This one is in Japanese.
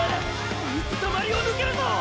水たまりを抜けるぞ！！